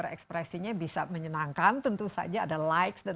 di senin saya juga ada rutin